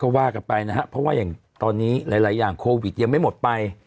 ก็ว่ากันไปนะครับเพราะว่าอย่างตอนนี้หลายอย่างโควิดยังไม่หมดไป